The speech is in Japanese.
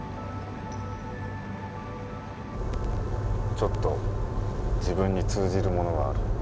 ちょっと自分に通じるものがある。